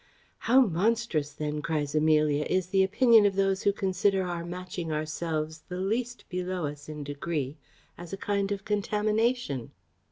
"How monstrous then," cries Amelia, "is the opinion of those who consider our matching ourselves the least below us in degree as a kind of contamination!"